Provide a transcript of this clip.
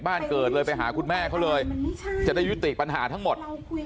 บ้านเกิดเลยไปหาคุณแม่เขาเลยจะได้ยุติปัญหาทั้งหมด